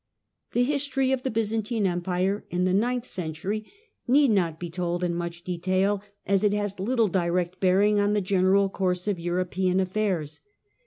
The history of the Byzantine Empire in the ninth century need not be told in much detail, as it has little direct bearing on the general course of European affairs.